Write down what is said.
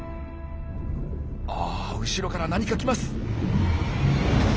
あっ後ろから何か来ます！